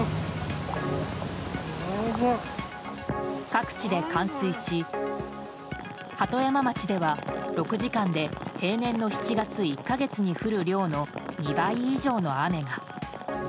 各地で冠水し鳩山町では６時間で平年の７月１か月に降る量の２倍以上の雨が。